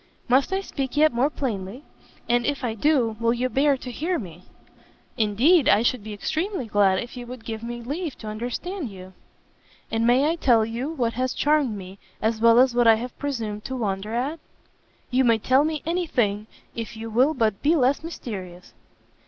"Must I speak yet more plainly? and if I do, will you bear to hear me?" "Indeed I should be extremely glad if you would give me leave to understand you." "And may I tell you what has charmed me, as well as what I have presumed to wonder at?" "You may tell me any thing, if you will but be less mysterious."